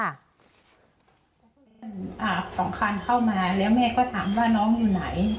สองคันเข้ามาแล้วแม่ก็ถามว่าน้องอยู่ไหน